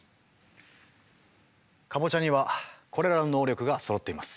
カボチャにはこれらの能力がそろっています。